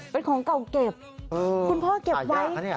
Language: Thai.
เป็นของเก่าเก็บคุณพ่อเก็บไว้อาญาค่ะนี่